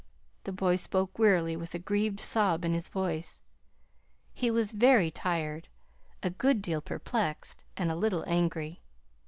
The boy spoke wearily, with a grieved sob in his voice. He was very tired, a good deal perplexed, and a little angry.